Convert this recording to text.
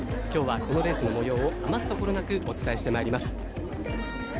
きょうはこのレースの模様を余すところなくお伝えしてまいります。